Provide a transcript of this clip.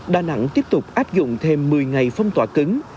đà nẵng tiếp tục áp dụng thêm một mươi ngày phong tỏa cứng